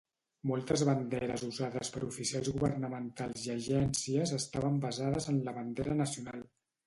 Moltes banderes usades per oficials governamentals i agències estaven basades en la bandera nacional.